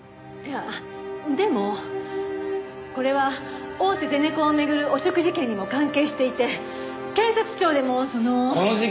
いやでもこれは大手ゼネコンを巡る汚職事件にも関係していて警察庁でもその。